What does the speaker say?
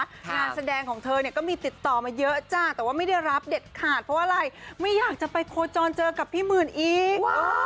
งานแสดงของเธอเนี่ยก็มีติดต่อมาเยอะจ้าแต่ว่าไม่ได้รับเด็ดขาดเพราะว่าอะไรไม่อยากจะไปโคจรเจอกับพี่หมื่นอีก